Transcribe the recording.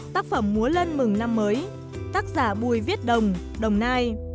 tác phẩm múa lân mừng năm mới tác giả bùi viết đồng đồng nai